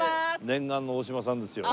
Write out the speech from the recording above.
念願の大島さんですよ。